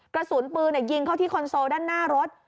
กระสุนปืนยิงเข้าที่คอนโซลด้านหน้ารถ